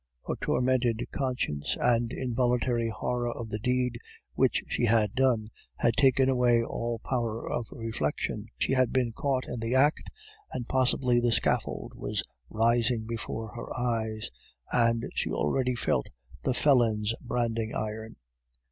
A tormented conscience and involuntary horror of the deed which she had done had taken away all power of reflection. She had been caught in the act, and possibly the scaffold was rising before her eyes, and she already felt the felon's branding iron.